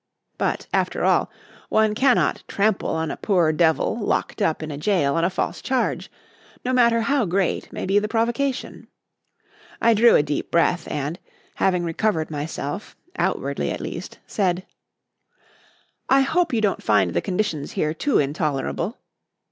But, after all, one cannot trample on a poor devil locked up in a jail on a false charge, no matter how great may be the provocation. I drew a deep breath, and, having recovered myself, outwardly at least, said "I hope you don't find the conditions here too intolerable?"